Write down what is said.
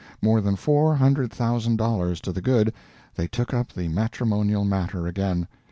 More than four hundred thousand dollars to the good. They took up the matrimonial matter again.